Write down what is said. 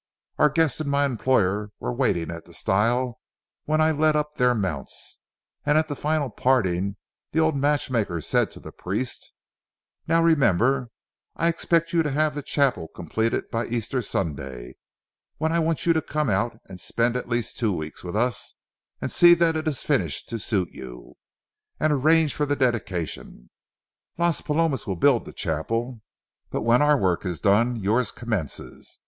Our guests and my employer were waiting at the stile when I led up their mounts, and at final parting the old matchmaker said to the priest:— "Now, remember, I expect you to have this chapel completed by Easter Sunday, when I want you to come out and spend at least two weeks with us and see that it is finished to suit you, and arrange for the dedication. Las Palomas will build the chapel, but when our work is done yours commences.